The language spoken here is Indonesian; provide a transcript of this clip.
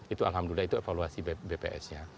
itu alhamdulillah itu evaluasi bps nya